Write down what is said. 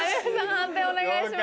判定お願いします。